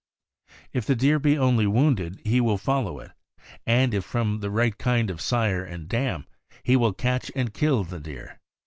If the deer be only wounded, he will follow it, and if from the right kind of sire and dam, he will catch and kill the deer.